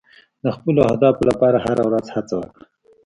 د خپلو اهدافو لپاره هره ورځ هڅه وکړه.